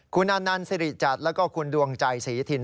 คุณอนันต์สิริจัดแล้วก็คุณดวงใจศรีทิน